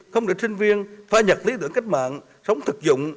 không để sinh viên pha nhập lý tưởng cách mạng sống thực dụng